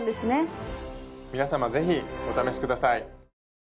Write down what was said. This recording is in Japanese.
皆様ぜひお試しください。